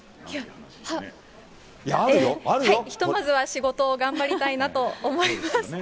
いや、はっ、えっ、ひとまずは仕事を頑張りたいなと思います。